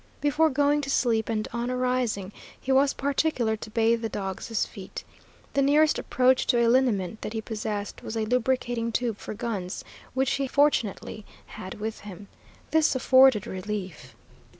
Before going to sleep, and on arising, he was particular to bathe the dogs' feet. The nearest approach to a liniment that he possessed was a lubricating tube for guns, which he fortunately had with him. This afforded relief.